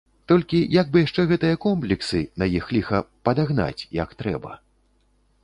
Толькі як бы яшчэ гэтыя комплексы, на іх ліха, падагнаць, як трэба.